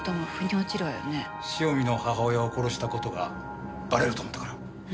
汐見の母親を殺した事がばれると思ったから。